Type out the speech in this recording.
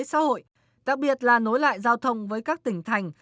xã hội đặc biệt là nối lại giao thông với các tỉnh thành